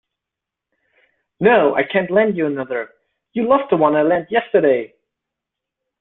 No, I can't lend you another. You lost the one I lent yesterday!